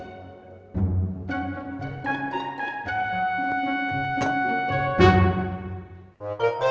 bisa dikawal di rumah ini